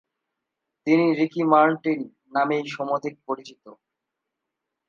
তিনি Ricky Martin নামেই সমধিক পরিচিত।